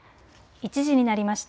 １時になりました。